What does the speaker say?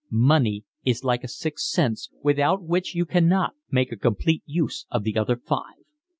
Money is like a sixth sense without which you cannot make a complete use of the other five.